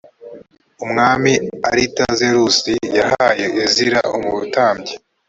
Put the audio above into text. umwami aritazeruzi yahaye ezira umutambyi